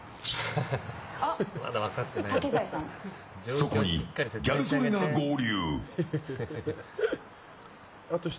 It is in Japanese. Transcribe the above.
そこにギャル曽根が合流。